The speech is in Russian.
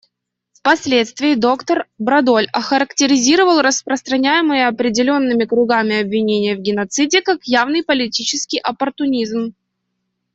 Впоследствии доктор Брадоль охарактеризовал распространяемые определенными кругами обвинения в геноциде как «явный политический оппортунизм».